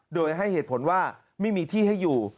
โดยให้เหตุผลว่าไม่มีที่ให้อยู่